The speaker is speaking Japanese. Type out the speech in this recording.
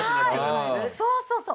そうそうそう！